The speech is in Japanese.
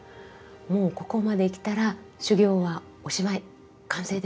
もうここまできたら修行はおしまい完成でしょうか？